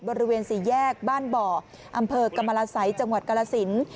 บริเวณสี่แยกบ้านเบาะอำเภอกรรมละไซค์จังหวัดกาลาศิลป์